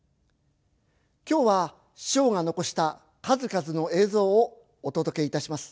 今日は師匠が残した数々の映像をお届けいたします。